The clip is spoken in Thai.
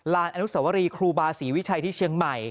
อนุสวรีครูบาศรีวิชัยที่เชียงใหม่